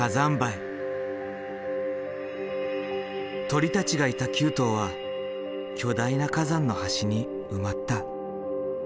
鳥たちがいた旧島は巨大な火山の端に埋まった。